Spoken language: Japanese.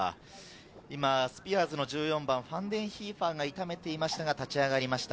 スピアーズの１４番・ファンデンヒーファーが痛めていましたが、立ち上がりました。